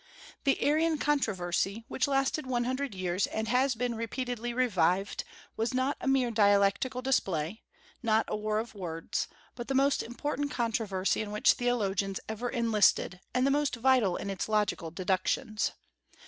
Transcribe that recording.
The Arian controversy, which lasted one hundred years, and has been repeatedly revived, was not a mere dialectical display, not a war of words, but the most important controversy in which theologians ever enlisted, and the most vital in its logical deductions.